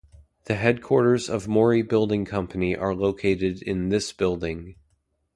The headquarters of Mori Building Company are located in this building.